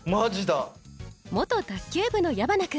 元卓球部の矢花君。